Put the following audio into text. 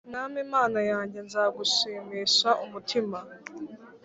Mwami mana yanjye nzagushimisha umutima